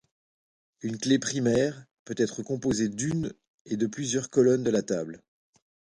Une clé primaire peut être composée d'une ou de plusieurs colonnes de la table.